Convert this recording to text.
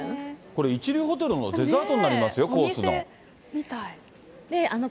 これ、一流ホテルのデザートになりますよ、コースの。